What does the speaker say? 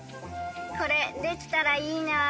これできたらいいな。